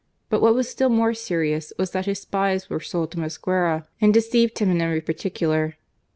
But what was still more serious was that his spies were sold to Mosquera, and deceived him in every particular.